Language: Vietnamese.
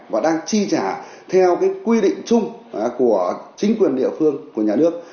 và đang chi trả theo quy định chung của chính quyền địa phương của nhà nước